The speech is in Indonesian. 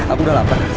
aku udah lapar